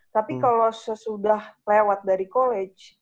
tapi kalau sesudah lewat dari college